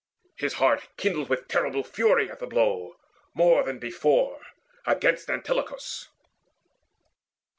His heart Kindled with terrible fury at the blow More than before against Antilochus.